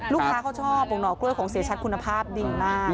ลูกค้าเขาชอบบอกห่อกล้วยของเสียชัดคุณภาพดีมาก